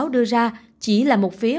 đưa ra chỉ là một phía